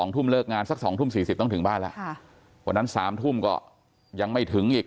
ทุ่มเลิกงานสัก๒ทุ่ม๔๐ต้องถึงบ้านแล้ววันนั้น๓ทุ่มก็ยังไม่ถึงอีก